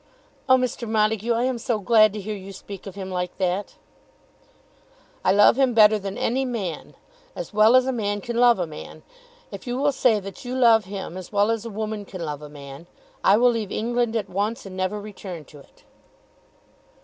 "Oh, Mr. Montague! I am so glad to hear you speak of him like that." "I love him better than any man, as well as a man can love a man. If you will say that you love him as well as a woman can love a man, I will leave England at once, and never return to it."